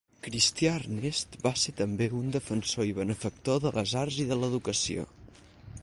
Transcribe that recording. Cristià Ernest va ser també un defensor i benefactor de les arts i de l'educació.